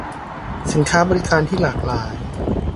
สินค้าบริการที่หลากหลาย